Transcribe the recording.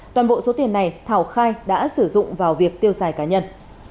toàn bộ số tiền này thảo khai đã sử dụng vào việc tiêu xài cá nhân